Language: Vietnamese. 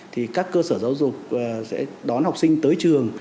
thì các cơ sở giáo dục sẽ đón học sinh tới trường